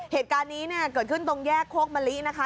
เหตุการณ์นี้เนี่ยเกิดขึ้นตรงแยกโคกมะลินะคะ